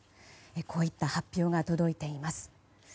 こういった発表が届いています。